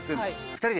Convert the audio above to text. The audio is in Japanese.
２人で。